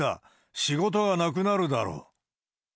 仕事がなくなるだろ。